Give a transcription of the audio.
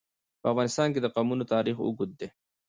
په افغانستان کې د قومونه تاریخ اوږد دی.